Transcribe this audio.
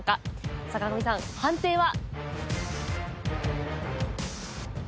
坂上さん判定は？